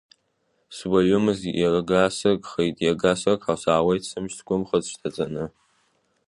Суаҩымыз, иага сыгхеит, иага сыгха, саауеит сымч зқәымхаз шьҭаҵаны…